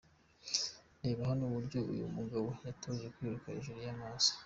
Reba hano uburyo uyu mugabo yitoje kwiruka hejuru y'amazi.